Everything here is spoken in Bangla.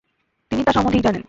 তিনি তা সমধিক জানেন।